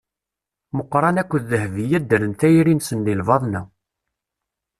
Muqran akked Dehbiya ddren tayri-nsen di lbaḍna.